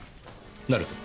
なるほど。